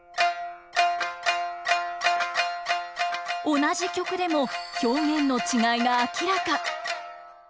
同じ曲でも表現の違いが明らか。